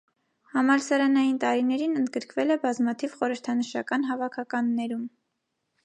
Համալսարանային տարիներին ընդգրկվել է բազմաթիվ խորհրդանշական հավաքականներում։